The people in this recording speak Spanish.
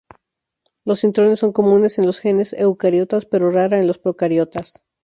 Los intrones son comunes en los genes eucariotas, pero rara en los procariotas.